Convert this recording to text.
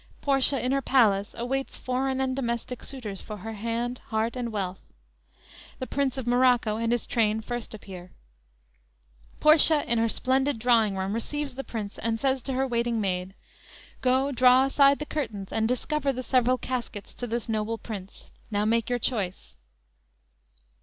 Portia in her palace awaits foreign and domestic suitors for her hand, heart and wealth. The Prince of Morocco and his train first appear. Portia in her splendid drawing room receives the Prince, and says to her waiting maid: _"Go draw aside the curtains, and discover The several caskets to this noble prince; Now make your choice!"